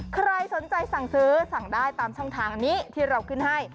ใครสนใจสั่งซื้อสั่งได้ตามช่องทางนี้ที่เราขึ้นให้